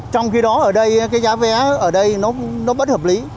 trong khi đó ở đây cái giá vé ở đây nó bất hợp lý